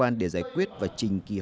rất dễ gây cháy tổ hiện nay